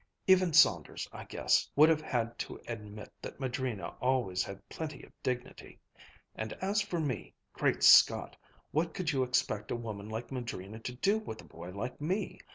Even Saunders, I guess, would have had to admit that Madrina always had plenty of dignity. And as for me, great Scott! what could you expect a woman like Madrina to do with a boy like me!